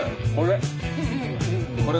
これ！